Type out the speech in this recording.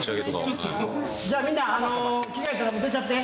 じゃあみんなあの。